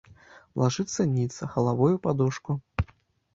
Лажыцца ніц, галавой у падушку.